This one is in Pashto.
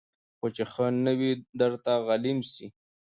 خو چي ښه نه وي درته غلیم سي